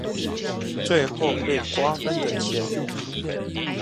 最後被瓜分的錢